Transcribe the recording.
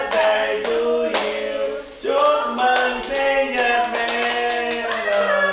chúc mừng sinh nhật mẹ em rồi